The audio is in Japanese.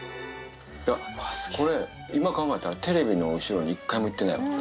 いや、これ、今考えたら、テレビの後ろに１回も行ってないもん。